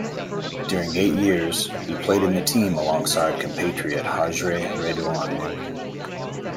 During eight years, he played in the team alongside compatriot Hajry Redouane.